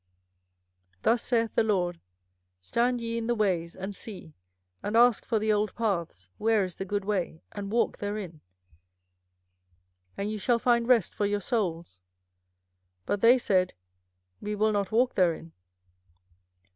24:006:016 Thus saith the LORD, Stand ye in the ways, and see, and ask for the old paths, where is the good way, and walk therein, and ye shall find rest for your souls. But they said, We will not walk therein.